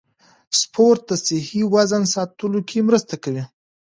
سپورت د صحي وزن ساتلو کې مرسته کوي.